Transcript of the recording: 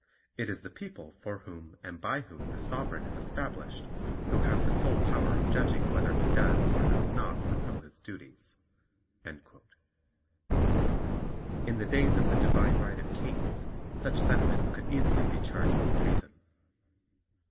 It is the people for whom and by whom the Sovereign is established, who have the sole power of judging whether he does, or does not, fulfil his duties." In the days of "the Divine Right of Kings" such sentiments could easily be charged with treason.